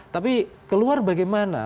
tapi keluar bagaimana